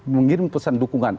mengirim pesan dukungan